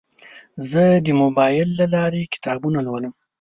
زه د موبایل له لارې کتابونه لولم.